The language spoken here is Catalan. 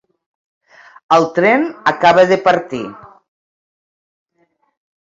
El tren acaba de partir.